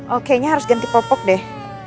oh kayaknya harus ganti popok deh